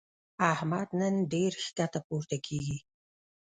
احمد نن ډېر ښکته پورته کېږي.